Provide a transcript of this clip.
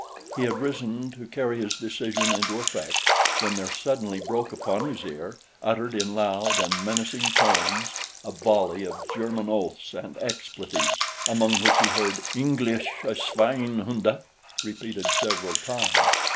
He had risen to carry his decision into effect when there suddenly broke upon his ear, uttered in loud and menacing tones, a volley of German oaths and expletives among which he heard Englische schweinhunde repeated several times.